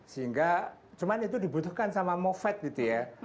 sehingga cuma itu dibutuhkan sama moved gitu ya